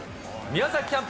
宮崎キャンプ